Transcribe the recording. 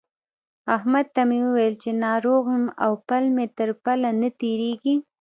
احمد ته مې وويل چې ناروغ يم او پل مې تر پله نه تېرېږي.